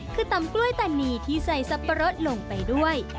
คือตำกล้วยตานีที่ใส่สับปะรดลงไปด้วย